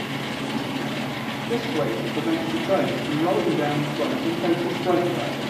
This wedge prevents the trailer from rolling down the slope in case of brake failure.